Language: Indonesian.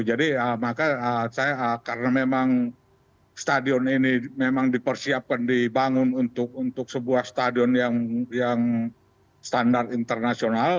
jadi maka saya karena memang stadion ini memang dipersiapkan dibangun untuk sebuah stadion yang standar internasional